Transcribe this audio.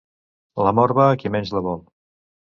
La mort va a qui menys la vol.